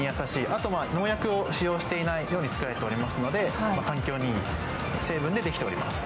あと農薬を使用していないように作られていますので、環境にいい成分でできております。